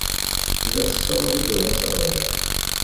Tella tessawaḍ igerdan s aɣerbaz.